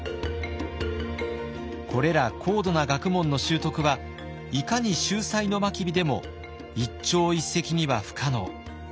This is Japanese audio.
これら高度な学問の習得はいかに秀才の真備でも一朝一夕には不可能。